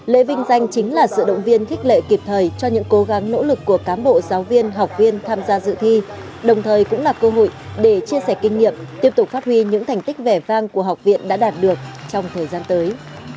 lễ vinh danh chính là sự động viên khích lệ kịp thời cho những cố gắng nỗ lực của cám bộ giáo viên học viên tham gia dự thi đồng thời cũng là cơ hội để chia sẻ kinh nghiệm tiếp tục phát huy những thành tích vẻ vang của học viện đã đạt được trong thời gian tới